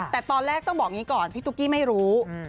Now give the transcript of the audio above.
แต่ตอนแรกต้องบอกอย่างนี้ก่อนพี่ตุ๊กกี้ไม่รู้